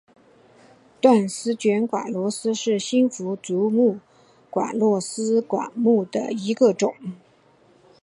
断线卷管螺是新腹足目卷管螺科卷管螺属的一个种。